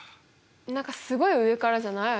何かすごい上からじゃない？